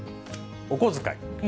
お小遣い。